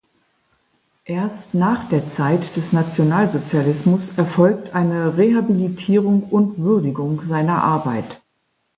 Erst nach der Zeit des Nationalsozialismus erfolgt eine Rehabilitierung und Würdigung seiner Arbeit.